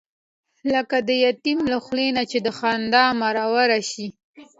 لکه د یتیم له خولې نه چې خندا مروره شي.